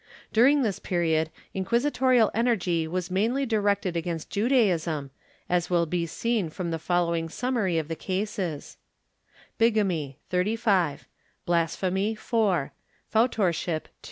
During this period inquisitorial energy was mainly directed against Judaism, as will be seen from the following summary of the cases: Bigamy Blasphemy P'autorship